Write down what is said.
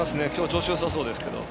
調子よさそうですけど。